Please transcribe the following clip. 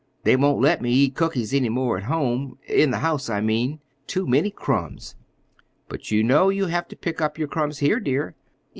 "They won't let me eat cookies any more at home—in the house, I mean. Too many crumbs." "But you know you have to pick up your crumbs here, dear."